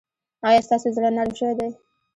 ایا ستاسو زړه نرم شوی دی؟